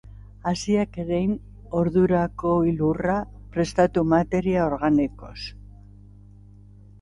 Haziak erein ordurako lurra prestatu materia organikoz.